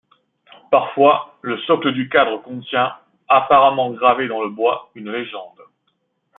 Parfois, le socle du cadre contient, apparemment gravé dans le bois, une légende.